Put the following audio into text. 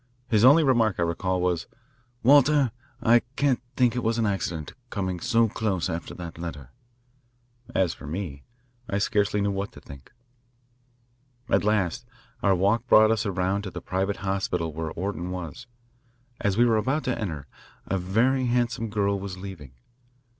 His only remark, I recall, was, "Walter, I can't think it was an accident, coming so close after that letter." As for me, I scarcely knew what to think. At last our walk brought us around to the private hospital where Orton was. As we were about to enter, a very handsome girl was leaving.